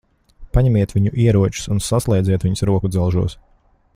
Paņemiet viņu ieročus un saslēdziet viņus rokudzelžos.